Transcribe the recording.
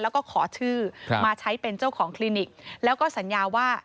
แล้วก็ขอชื่อมาใช้เป็นเจ้าของคลินิกแล้วก็สัญญาว่า